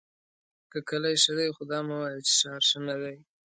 که کلی ښۀ دی خو دا مه وایه چې ښار ښۀ ندی!